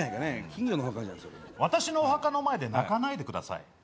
私のお墓の前で泣かないでください。